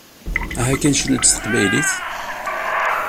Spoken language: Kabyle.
Aha kan cnu s teqbaylit!